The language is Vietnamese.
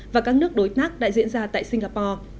và các nước đối tác đã diễn ra tại singapore